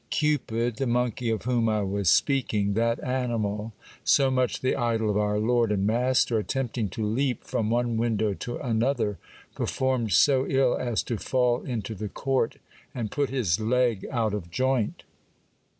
Cupid, the monkey of whom I was speaking, that animal, so much the idol of our lord and master, attempting to leap from one window to another, performed so ill as to fall into the court and put his leg out of joint.